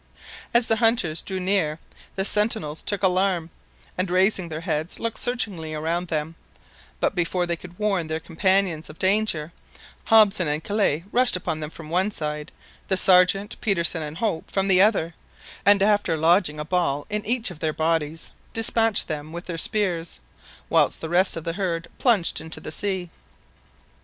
As the hunters drew near the sentinels took alarm, and raising their heads looked searchingly around them; but before they could warn their companions of danger, Hobson and Kellet rushed upon them from one side, the Sergeant, Petersen, and Hope from the other, and after lodging a ball in each of their bodies, despatched them with their spears, whilst the rest of the herd plunged into the sea.